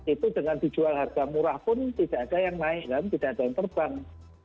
itu dengan dijual harga murah pun tidak ada yang naik kan tidak ada yang terbang